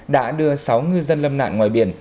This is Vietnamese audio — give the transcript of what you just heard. đã đưa sáu ngư dân lâm nạn ngoài biển